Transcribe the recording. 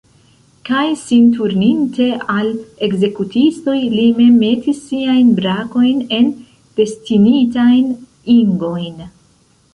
Kaj sin turninte al ekzekutistoj, li mem metis siajn brakojn en destinitajn ingojn.